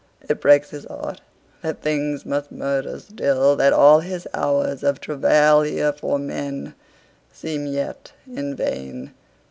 It breaks his heart that things must murder still, That all his hours of travail here for menSeem yet in vain.